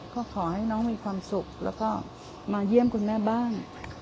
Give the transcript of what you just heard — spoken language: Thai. ก็ขอให้น้องมีความสุขแล้วก็มาเยี่ยมคุณแม่บ้าง